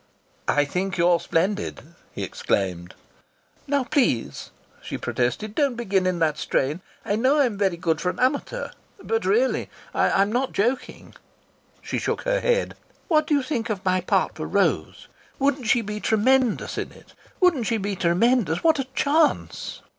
"I think you're splendid," he exclaimed. "Now please!" she protested. "Don't begin in that strain. I know I'm very good for an amateur " "But really! I'm not joking." She shook her head. "What do you think of my part for Rose? Wouldn't she be tremendous in it? Wouldn't she be tremendous?... What a chance!"